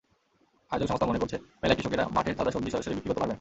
আয়োজক সংস্থা মনে করছে, মেলায় কৃষকেরা মাঠের তাজা সবজি সরাসরি বিক্রি করতে পারবেন।